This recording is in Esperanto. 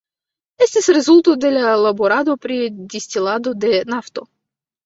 Estis rezulto de laborado pri distilado de nafto.